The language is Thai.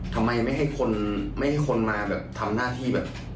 ทำไมไม่ให้คนมาทำหน้าที่แบบ